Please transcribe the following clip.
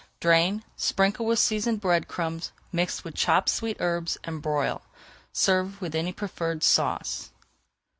Drain, sprinkle with seasoned bread crumbs mixed with chopped sweet herbs, and broil. Serve with any preferred sauce.